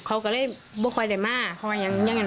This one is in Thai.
ก็ยังไม่คอยตายมากเพราะยังอยู่ในนี้